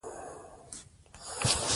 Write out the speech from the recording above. که ښځې لیکوالې شي نو دردونه به یې پټ نه وي.